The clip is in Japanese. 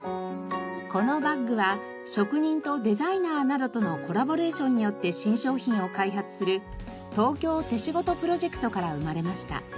このバッグは職人とデザイナーなどとのコラボレーションによって新商品を開発する「東京手仕事」プロジェクトから生まれました。